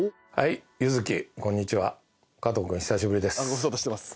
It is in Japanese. ご無沙汰してます。